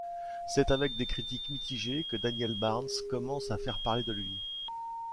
C'est avec des critiques mitigées que Daniel Barnz commence à faire parler de lui.